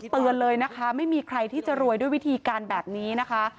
เตือนเลยนะคะไม่มีใครที่จะรวยด้วยวิธีการแบบนี้นะคะ